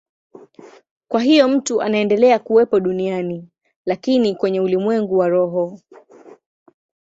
Kwa hiyo mtu anaendelea kuwepo duniani, lakini kwenye ulimwengu wa roho.